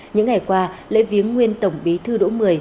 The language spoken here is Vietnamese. những ngày qua lễ viếng nguyên tổng bí thư đỗ mười